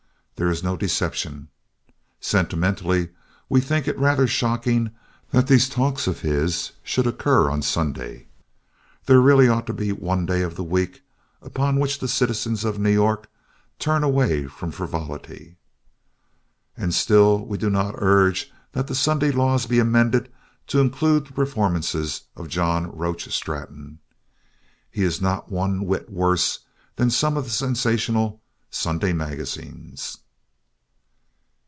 There is no deception. Sentimentally, we think it rather shocking that these talks of his should occur on Sunday. There really ought to be one day of the week upon which the citizens of New York turn away from frivolity. And still we do not urge that the Sunday Law be amended to include the performances of John Roach Straton. He is not one whit worse than some of the sensational Sunday magazines.